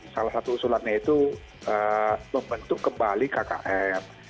salah satu usulannya itu membentuk kembali kkm